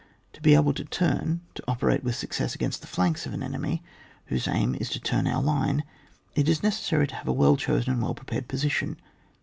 To be able in turn to operate with success against the flanks of an enemy, whose aim is to turn our line, it is necessary to have a well chosen and well prepared posi tion.